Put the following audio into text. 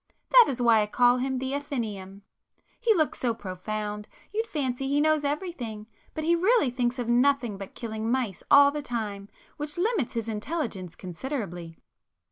That is why I call him the 'Athenæum'! He looks so profound, you'd fancy he knows everything, but he really thinks of nothing but killing mice all the time,—which limits his intelligence considerably!"